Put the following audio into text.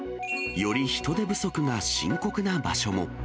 より人手不足が深刻な場所も。